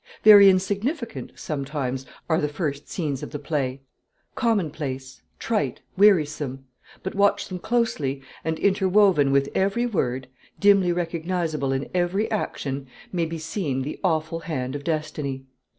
Very insignificant sometimes are the first scenes of the play, common place, trite, wearisome; but watch them closely, and interwoven with every word, dimly recognisable in every action, may be seen the awful hand of Destiny.